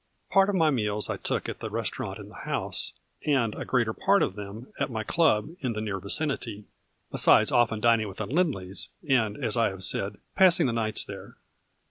Part of my meals I took at the restaurant in the house, and a greater part of them at my club in the near vicinity, besides often dining with the Lindleys, and, as I have said, passing the nights there.